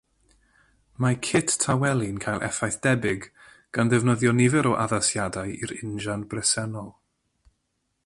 Mae cit tawelu'n cael effaith debyg, gan ddefnyddio nifer o addasiadau i'r injan bresennol.